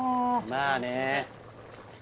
まあね